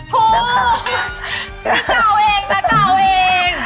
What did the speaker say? คุณค่ะนี่ก่าวเองนะก่างกี่